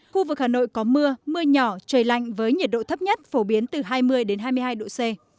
khu vực hà nội có mưa mưa nhỏ trời lạnh với nhiệt độ thấp nhất phổ biến từ hai mươi hai mươi hai độ c